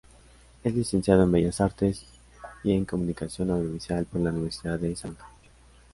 Es licenciado en Bellas Artes y en Comunicación Audiovisual por la Universidad de Salamanca.